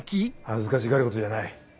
恥ずかしがることじゃない。